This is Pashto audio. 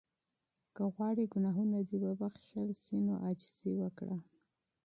که غواړې ګناهونه دې وبخښل شي نو عاجزي وکړه.